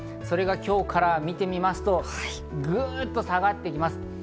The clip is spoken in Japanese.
それが今日から見てみますと、グっと下がってきます。